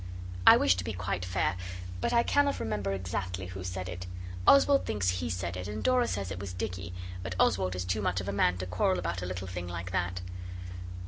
I wish to be quite fair, but I cannot remember exactly who said it. Oswald thinks he said it, and Dora says it was Dicky, but Oswald is too much of a man to quarrel about a little thing like that.